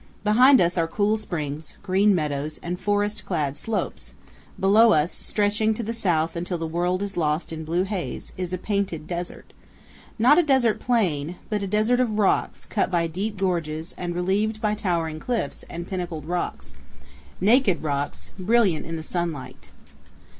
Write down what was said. Behind us are cool springs, green meadows, and forest clad slopes; below us, stretching to the south until the world is lost in blue haze, is a painted desert not a desert plain, but a desert of rocks cut by deep gorges and relieved by towering cliffs and pinnacled rocks naked rocks, brilliant in the sunlight.